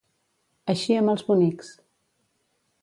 Eixir amb els bonics.